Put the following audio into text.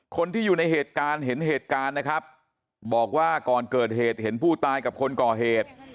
คนที่อยู่ในเหตุการณ์เห็นเหตุการณ์นะครับบอกว่าก่อนเกิดเหตุเห็นผู้ตายกับคนก่อเหตุ